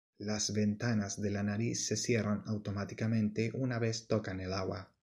Las ventanas de la nariz se cierran automáticamente una vez tocan el agua.